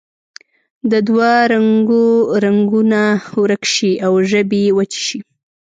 د دوه رنګو رنګونه ورک شي او ژبې یې وچې شي.